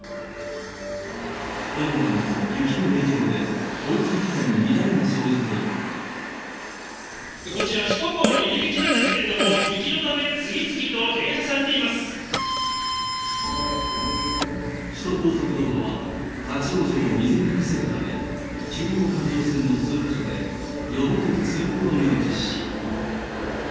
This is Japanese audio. このほかにも雪の影響で、こちら、首都高の入り口なんですけれども、雪のため、首都高速道路は、立往生を未然に防ぐため、中央環状線の数か所で、予防的通行止めを実施。